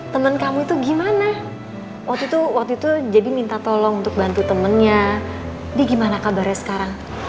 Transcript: temen kamu itu gimana waktu itu jadi minta tolong untuk bantu temennya dia gimana kabarnya sekarang